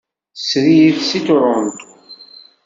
Srid seg Toronto.